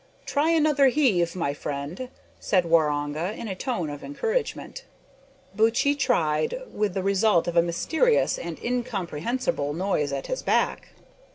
"Try another heave, my friend," said Waroonga, in a tone of encouragement. Buttchee tried, with the result of a mysterious and incomprehensible noise at his back.